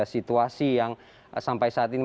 situasi yang sampai saat ini